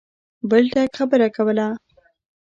بل ټک خبره کوله.